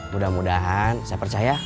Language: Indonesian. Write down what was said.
mudah mudahan saya percaya